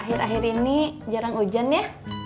akhir akhir ini jarang hujan ya